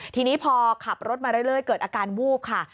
ทีนี้พอขับรถมาเรื่อยเกิดอาการวูบค่ะ